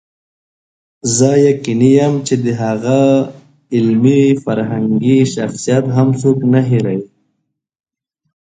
زه یقیني یم چې د هغه علمي فرهنګي شخصیت هم څوک نه هېروي.